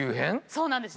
そうなんです。